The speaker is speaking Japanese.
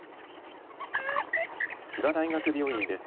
千葉大学病院です。